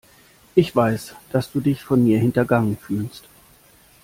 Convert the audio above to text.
Ich weiß, dass du dich von mir hintergangen fühlst.